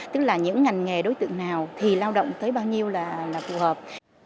tức là những ngành nghề đối tượng nào thì lao động tới bao nhiêu là phù hợp